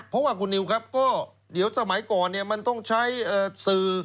เพราะว่าคุณนิวครับก็เดี๋ยวสมัยก่อนเนี่ยมันต้องใช้สื่อ